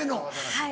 はい。